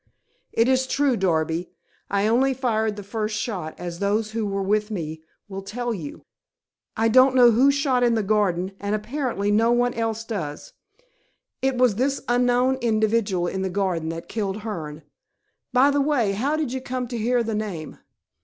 "It is true, Darby. I only fired the first shot, as those who were with me will tell you. I don't know who shot in the garden, and apparently no one else does. It was this unknown individual in the garden that killed Hearne. By the way, how did you come to hear the name?"